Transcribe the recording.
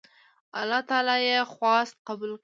الله تعالی یې خواست قبول کړ.